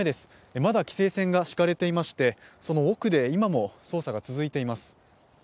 まだ規制線が敷かれていましてその奥で今も捜査が続いています。